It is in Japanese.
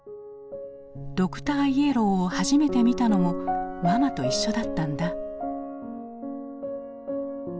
「ドクターイエローを初めて見たのもママと一緒だったんだ」。